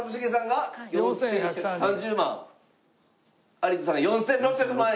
有田さんが４６００万円。